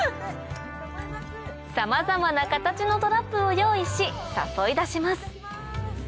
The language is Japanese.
さまざまな形のトラップを用意し誘い出します